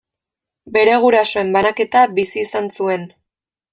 Bere gurasoen banaketa bizi izan zuen.